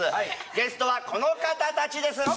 ゲストはこの方たちです！